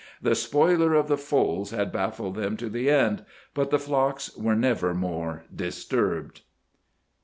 The spoiler of the folds had baffled them to the end, but the flocks were never more disturbed.